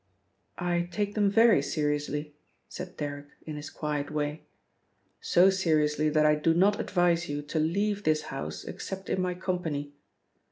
"I take them very seriously," said Derrick in his quiet way. "So seriously that I do not advise you to leave this house except in my company.